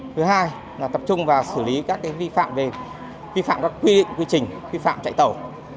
thứ hai là tập trung vào xử lý các vi phạm về quy định quy trình vi phạm chạy tàu